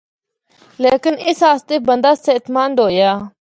لیکن اس آسطے بندہ صحت مند ہوّا۔